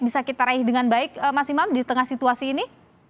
bisa kita raih dengan baik mas imam di tengah situasi ini